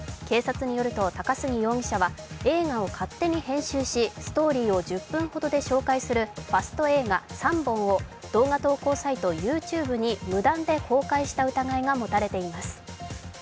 警察によると、高杉容疑者は映画を勝手に編集し、ストーリーを１０分ほどで紹介するファスト映画３本を動画投稿サイト・ＹｏｕＴｕｂｅに無断で公開した疑いが持たれています。